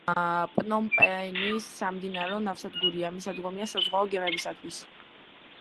პნომპენი სამდინარო ნავსადგურია, მისადგომია საზღვაო გემებისათვის.